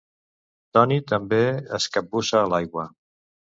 Toni també es capbussa a l'aigua.